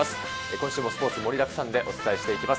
今週もスポーツ、盛りだくさんでお伝えしていきます。